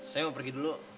saya mau pergi dulu